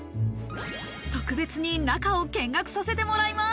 特別に中を見学させてもらいます。